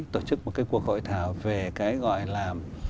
tổ chức một cái cuộc hội thảo về cái gọi là